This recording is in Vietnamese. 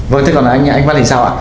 vâng thế còn anh văn thì sao ạ